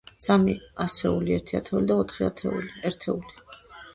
სამი ასეული, ერთი ათეული და ოთხი ერთეული.